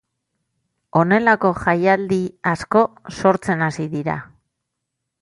Honelako jaialdi asko sortzen hasi dira.